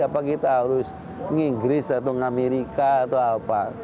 apa kita harus nginggris atau ngamerika atau apa